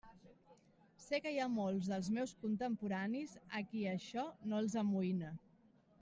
Sé que hi ha molts dels meus contemporanis a qui això no els amoïna.